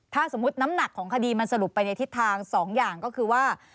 ถ้าสมมุติน้ำหนักของคดีมันสรุปไปในทิศทาง๒อย่างก็คือว่า